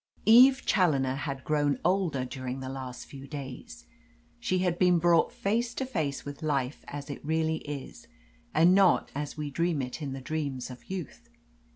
Eve Challoner had grown older during the last few days. She had been brought face to face with life as it really is, and not as we dream it in the dreams of youth.